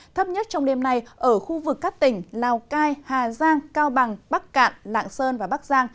thấp nhất trong đêm nay ở khu vực các tỉnh lào cai hà giang cao bằng bắc cạn lạng sơn và bắc giang